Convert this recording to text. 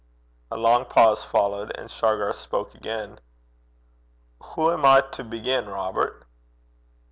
A long pause followed, and Shargar spoke again. 'Hoo am I to begin, Robert?'